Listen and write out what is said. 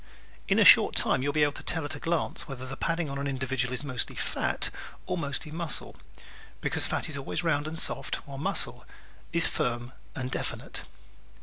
In a short time you will be able to tell, at a glance, whether the padding on an individual is mostly fat or mostly muscle, because fat is always round and soft while muscle is firm and definite.